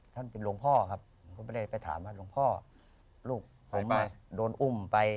ท่านเป็นหลวงพ่อครับก็ไปถามว่าหลวงพ่อลูกของมันโดนอุ้มไป